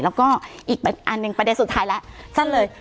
แล้วก็อีกอันหนึ่งประเด็นสุดท้ายแล้วสั้นเลย